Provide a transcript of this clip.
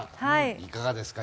いかがですか？